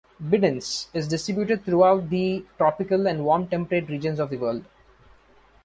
"Bidens" is distributed throughout the tropical and warm temperate regions of the world.